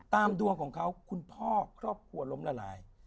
ดวงของเขาคุณพ่อครอบครัวล้มละลาย